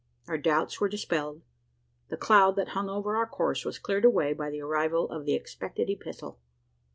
Our doubts were dispelled. The cloud that hung over our course was cleared away, by the arrival of the expected epistle!